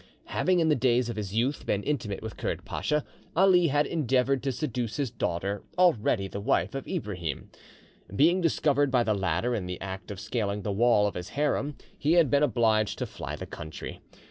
Having in the days of his youth been intimate with Kurd Pacha, Ali had endeavoured to seduce his daughter, already the wife of Ibrahim. Being discovered by the latter in the act of scaling the wall of his harem, he had been obliged to fly the country.